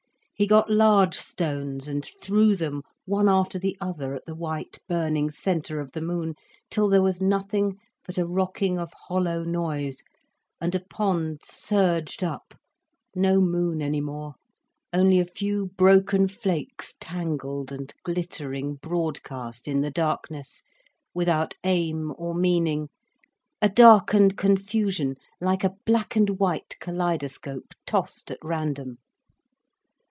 He got large stones, and threw them, one after the other, at the white burning centre of the moon, till there was nothing but a rocking of hollow noise, and a pond surged up, no moon any more, only a few broken flakes tangled and glittering broadcast in the darkness, without aim or meaning, a darkened confusion, like a black and white kaleidoscope tossed at random.